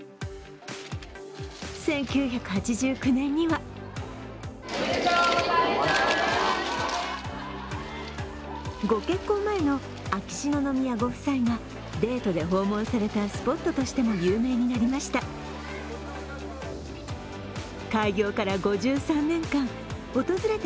１９８９年にはご結婚前の秋篠宮ご夫妻がデートで訪問されたスポットしても有名になりました。